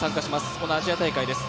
このアジア大会です。